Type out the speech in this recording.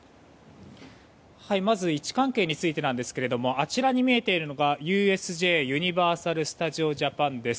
まず位置関係についてなんですがあちらに見えているのがＵＳＪ・ユニバーサル・スタジオ・ジャパンです。